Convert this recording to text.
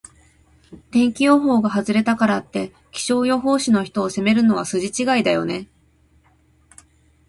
天気予報が外れたからって、気象予報士の人を責めるのは筋違いだよね。